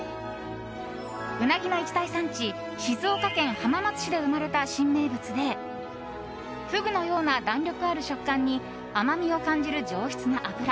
うなぎの一大産地静岡・浜松市で生まれた新名物でフグのような弾力ある食感に甘みを感じる上質な脂。